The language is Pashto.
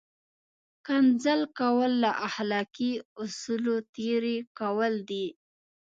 کنځل کول له اخلاقي اصولو تېری کول دي!